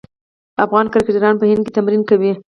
افغان کرکټران په هند کې تمرین کوي.